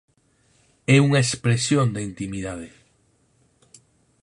É unha expresión da intimidade.